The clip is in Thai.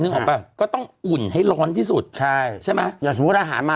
ออกป่ะก็ต้องอุ่นให้ร้อนที่สุดใช่ใช่ไหมอย่างสมมุติอาหารมา